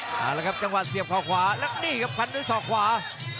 เอาหละครับจังหว่าเสียบข่อขวาแล้วมีกลับพันวินดิ์โดยศอกขวา